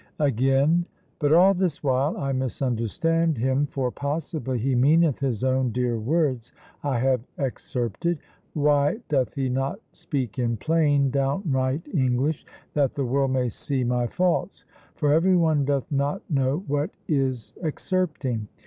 Again: "But all this while I misunderstand him, for possibly he meaneth his own dear words I have excerpted. Why doth he not speak in plain, downright English, that the world may see my faults? For every one doth not know what is excerpting.